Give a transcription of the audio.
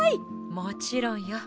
もちろんよ。